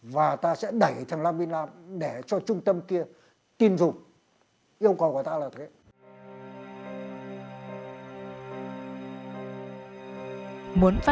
và ta sẽ đẩy thằng lam vinh nam để cho trung tâm kia